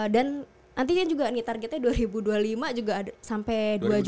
dan nantinya juga nih targetnya dua ribu dua puluh lima juga sampai